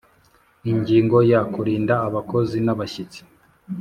Ingingo ya Kurinda abakozi n abashyitsi